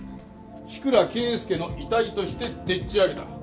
志倉啓介の遺体としてでっち上げた。